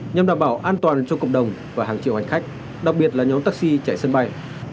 nhằm đảm bảo an toàn cho cộng đồng và hàng triệu hành khách đặc biệt là nhóm taxi chạy sân bay